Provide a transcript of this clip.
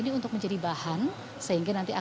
ini telah disebutkan oleh senyawa itian